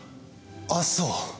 ああそう。